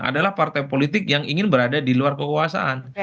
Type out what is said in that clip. adalah partai politik yang ingin berada di luar kekuasaan